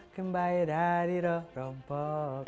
kembali dari rumput